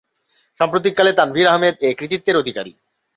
সাম্প্রতিককালে তানভীর আহমেদ এ কৃতিত্বের অধিকারী।